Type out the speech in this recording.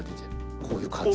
こういう感じで。